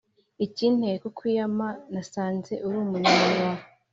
Ikinteye kukwiyama nasanze urumunyamunwa